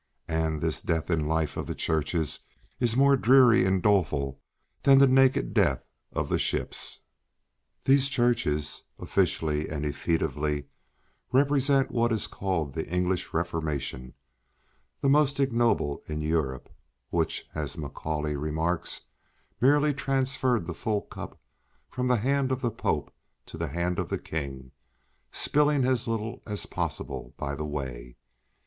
And this death in life of the churches is more dreary and doleful than the naked death of the ships. These churches officially and effetely represent what is called the English Reformation, the most ignoble in Europe; which, as Macaulay remarks, merely transferred the full cup from the hand of the Pope to the hand of the King, spilling as little, as possible by the way.